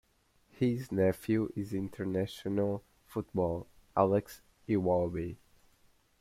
His nephew is international footballer Alex Iwobi.